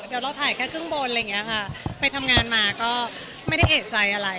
เดี๋ยวเราถ่ายแค่ครึ่งบนไปทำงานมาก็ไม่ได้เอกใจอะไร